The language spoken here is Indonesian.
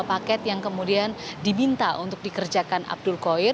paket yang kemudian diminta untuk dikerjakan abdul koir